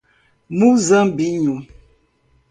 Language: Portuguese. Muzambinho